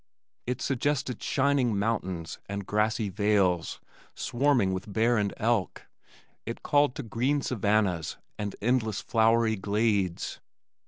It suggested shining mountains, and grassy vales, swarming with bear and elk. It called to green savannahs and endless flowery glades.